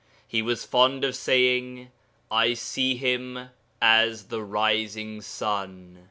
He was fond of saying, 'I see him as the rising sun.'